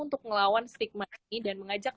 untuk melawan stigma ini dan mengajak